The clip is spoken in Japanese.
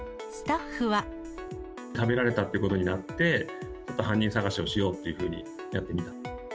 食べられたということになって、ちょっと犯人捜しをしようっていうふうにやってみた。